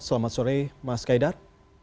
selamat sore mas kaidar